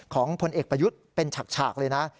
พลเอกประยุทธ์เป็นฉากเลยนะ